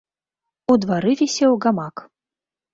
У двары вісеў гамак.